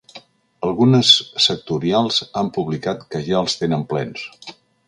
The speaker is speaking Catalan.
Algunes sectorials han publicat que ja els tenen plens.